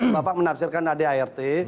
bapak menafsirkan adirt